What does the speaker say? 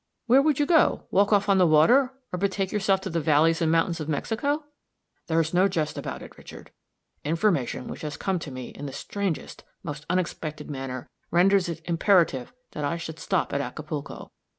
"Where would you go? Walk off on the water, or betake yourself to the valleys and mountains of Mexico?" "There's no jest about it, Richard. Information, which has come to me in the strangest, most unexpected manner, renders it imperative that I should stop at Acapulco.